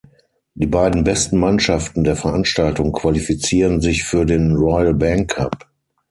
Die beiden besten Mannschaften der Veranstaltung qualifizieren sich für den Royal Bank Cup.